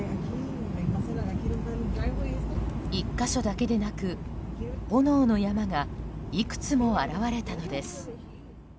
１か所だけでなく、炎の山がいくつも現れたのです。